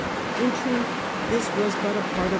In truth this was but a part of.